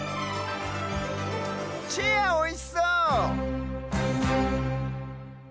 チェアおいしそう！